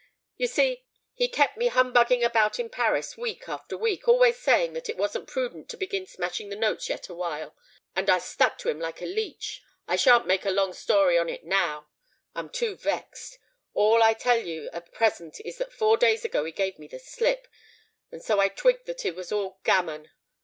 "You see, he kept me humbugging about in Paris week after week, always saying that it wasn't prudent to begin smashing the notes yet awhile; and I stuck to him like a leech. I shan't make a long story on it now—I'm too vexed: all I'll tell you at present is that four days ago he gave me the slip; and so I twigged that it was all gammon.